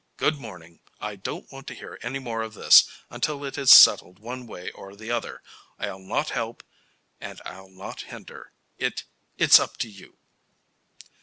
Good morning. I don't want to hear any more of this until it is settled one way or the other. I'll not help and I'll not hinder. It It's up to you."